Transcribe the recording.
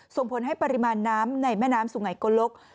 ส่งผลให้ปริมาณน้ำในแม่น้ำสุงัยโกลก